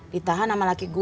ditahan sama laki gue